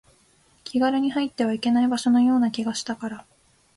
気軽に入ってはいけない場所のような気がしたから